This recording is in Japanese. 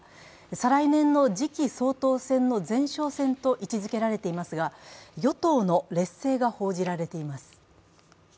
再来年の次期総統選の前哨戦と位置づけられていますが与党の劣勢が報じられています。